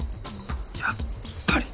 やっぱり！